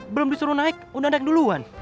belum disuruh naik udah naik duluan